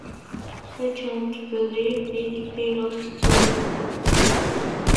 I can't believe it; we lost to a f------ revival!